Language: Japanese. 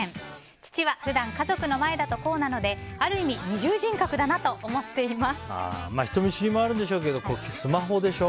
父はいつも家族の前だとこうなのである意味人見知りもあるんでしょうけれどもスマホでしょ。